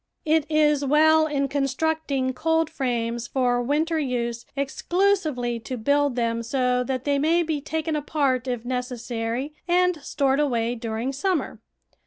It is well in constructing coldframes for winter use exclusively to build them so that they may be taken apart if necessary and stored away during summer.